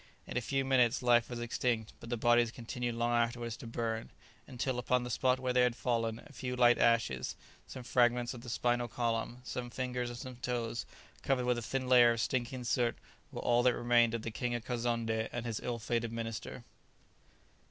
In a few minutes life was extinct, but the bodies continued long afterwards to burn; until, upon the spot where they had fallen, a few light ashes, some fragments of the spinal column, some fingers and some toes, covered with a thin layer of stinking soot, were all that remained of the King of Kazonndé and his ill fated minister.